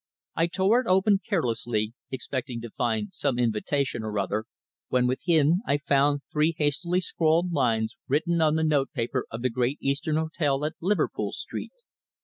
I tore it open carelessly, expecting to find some invitation or other, when, within, I found three hastily scrawled lines written on the notepaper of the Great Eastern Hotel at Liverpool Street.